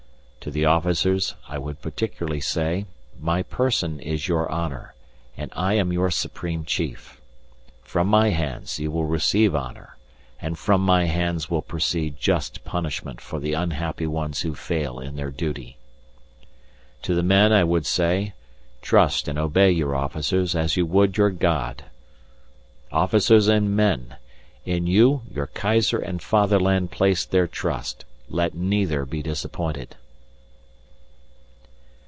"To the officers I would particularly say, my person is your honour, and I am your supreme chief. From my hands you will receive honour, and from my hands will proceed just punishment for the unhappy ones who fail in their duty. "To the men I would say, trust and obey your officers as you would your God. Officers and men! In you, your Kaiser and Fatherland place their trust let neither be disappointed!"